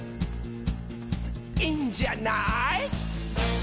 「いいんじゃない？」